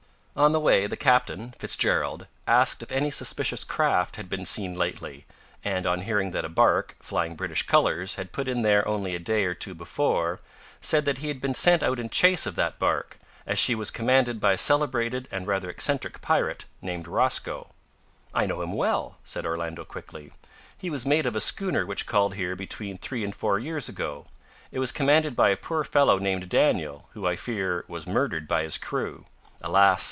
On the way the captain Fitzgerald asked if any suspicious craft had been seen lately, and, on hearing that a barque, flying British colours, had put in there only a day or two before, said that he had been sent out in chase of that barque, as she was commanded by a celebrated and rather eccentric pirate, named Rosco. "I know him well," said Orlando quickly, "he was mate of a schooner which called here between three and four years ago. It was commanded by a poor fellow named Daniel, who, I fear, was murdered by his crew. Alas!